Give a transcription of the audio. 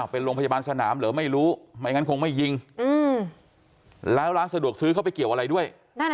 เป็นโรงพยาบาลสนามเหรอไม่รู้ไม่งั้นคงไม่ยิงแล้วร้านสะดวกซื้อเข้าไปเกี่ยวอะไรด้วย